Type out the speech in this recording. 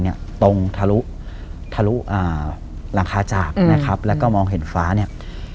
ตรงทะลุทะลุอ่าหลังคาจากนะครับแล้วก็มองเห็นฟ้าเนี่ย